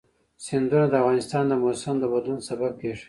سیندونه د افغانستان د موسم د بدلون سبب کېږي.